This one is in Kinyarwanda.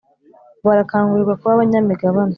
barakangurirwa kuba abanya migabane